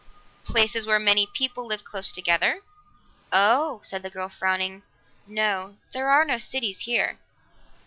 "Places where many people live close together." "Oh," said the girl frowning. "No. There are no cities here."